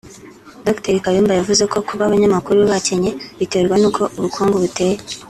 Dr Kayumba yavuze ko kuba abanyamakuru bakennye biterwa n’uko ubukungu buteye